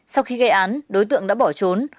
sau khi gây án đối tượng đã bỏ trốn